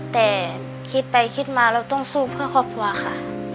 แต่คิดไปคิดมาเราต้องสู้เพื่อครอบครัวค่ะ